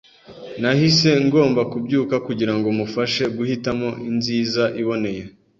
nahise ngomba kubyuka kugirango mumfashe guhitamo inziza iboneye